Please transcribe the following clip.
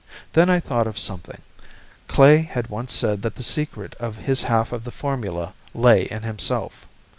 Then I thought of something. Klae had once said that the secret of his half of the formula lay in himself.